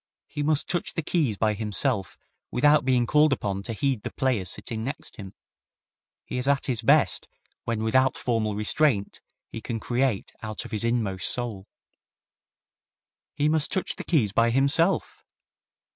He must touch the keys by himself without being called upon to heed the players sitting next him. He is at his best when without formal restraint, he can create out of his inmost soul." "He must touch the keys by himself!"